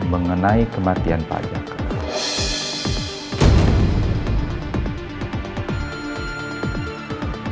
mengenai kematian pak jaka